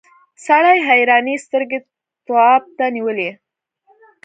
سړي حیرانې سترګې تواب ته نیولې.